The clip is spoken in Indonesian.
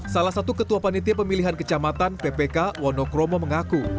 salah satu ketua panitia pemilihan kecamatan ppk wonokromo mengaku